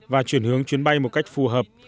và chuyển hướng chuyến bay một cách phù hợp